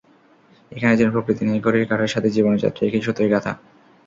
এখানে যেন প্রকৃতি নেই, ঘড়ির কাঁটার সাথে জীবনের যাত্রা একই সুঁতোয় গাঁথা।